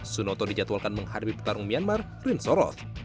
sunoto dijadwalkan menghadapi petarung myanmar win soroth